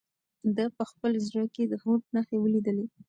ده په خپل زړه کې د هوډ نښې ولیدلې.